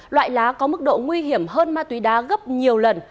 loại lá có mức độ nguy hiểm hơn ma túy đá gấp nhiều lần